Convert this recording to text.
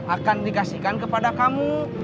akan dikasihkan kepada kamu